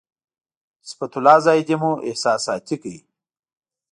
صفت الله زاهدي مو احساساتي کړ.